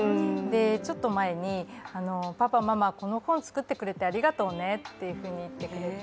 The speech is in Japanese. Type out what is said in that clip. ちょっと前に、パパ、ママ、この本作ってくれてありがとうねって言ってくれて。